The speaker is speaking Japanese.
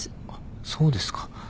あっそうですか。